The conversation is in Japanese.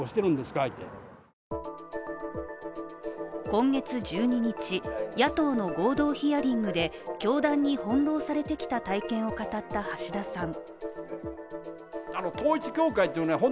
今月１２日、野党の合同ヒアリングで教団に翻弄されてきた体験を語った橋田さん。